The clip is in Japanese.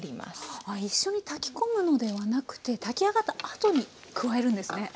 あ一緒に炊き込むのではなくて炊き上がったあとに加えるんですね。